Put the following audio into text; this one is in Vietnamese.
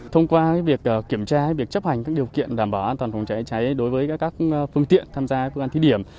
thông qua việc kiểm tra việc chấp hành các điều kiện đảm bảo an toàn phòng cháy cháy đối với các phương tiện tham gia phương án thí điểm